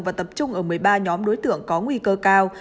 và tập trung ở một mươi ba nhóm đối tượng có nguy cơ cao